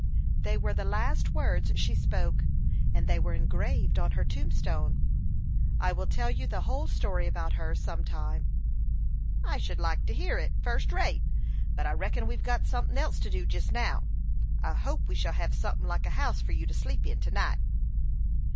They were the last words she spoke, and they were engraved on her tombstone. I will tell you the whole story about her some time." "I should like to hear it, fust rate; but I reckon we've got sunthin' else to do jest now. I hope we shall hev sunthin' like a house for you to sleep in to night."